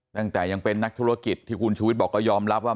ตั้งแต่ยังเป็นนักธุรกิจที่คุณชูวิทย์บอกก็ยอมรับว่า